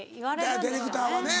ディレクターはね。